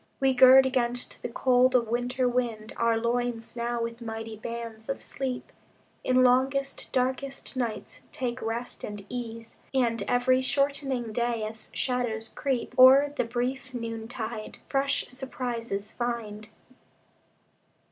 We gird against the cold of winter wind Our loins now with mighty bands of sleep, In longest, darkest nights take rest and ease, And every shortening day, as shadows creep O'er the brief noontide, fresh surprises find.